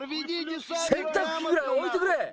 洗濯機ぐらい置いてくれ。